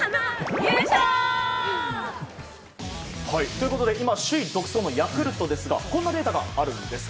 ということで首位独走のヤクルトですがこんなデータがあるんです。